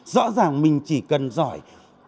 rõ ràng mình chỉ cần giỏi